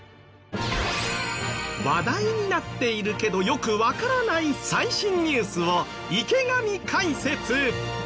話題になっているけどよくわからない最新ニュースを池上解説！